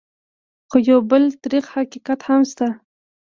خو یو بل تريخ حقیقت هم شته: